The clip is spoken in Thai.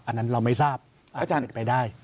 อันนั้นเราไม่ทราบอาจจะไปได้